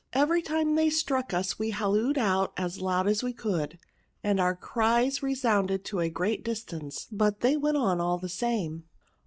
Every time they struck us, we hallooed out as loud as we could, and our cries resounded to a great distance } but they went on all the same."